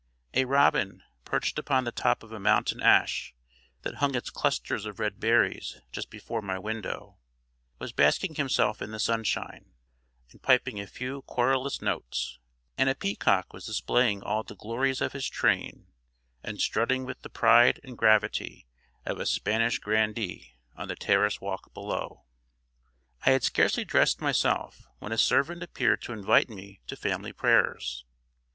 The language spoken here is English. A robin, perched upon the top of a mountain ash that hung its clusters of red berries just before my window, was basking himself in the sunshine, and piping a few querulous notes; and a peacock was displaying all the glories of his train, and strutting with the pride and gravity of a Spanish grandee on the terrace walk below. I had scarcely dressed myself, when a servant appeared to invite me to family prayers.